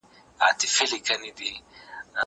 زه پرون بوټونه پاکوم!!